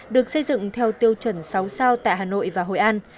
được xây dựng theo tiêu chuẩn sáu sao tại hà nội và hội an